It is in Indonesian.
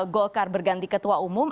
gokar berganti ketua umum